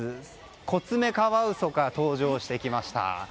コツメカワウソが登場してきました。